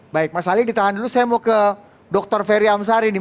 baik mas ali ditahan dulu saya mau ke dr ferry amsari nih